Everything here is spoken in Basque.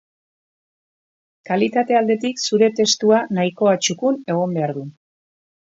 Kalitate aldetik, zure testua nahikoa txukun egon behar du.